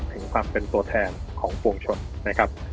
ถึงความเป็นตัวแทนของปวงชนนะครับ